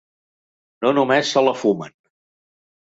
No només se la fumen.